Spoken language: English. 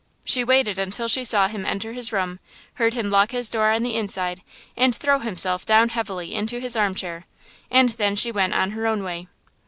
She waited until she saw him enter his room, heard him lock his door on the inside and throw himself down heavily into his arm chair, and then she went on her own way.